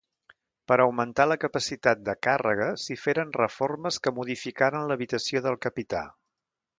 Per a augmentar la capacitat de càrrega s'hi feren reformes que modificaren l'habitació del capità.